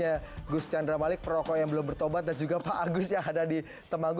jangan hanya cari kesehatan nanti akan membunuh petani tembakau